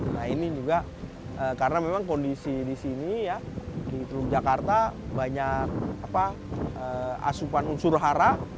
nah ini juga karena memang kondisi di sini ya di teluk jakarta banyak asupan unsur hara